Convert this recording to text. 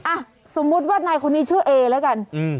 อ่ะสมมุติว่านายคนนี้ชื่อเอแล้วกันอืม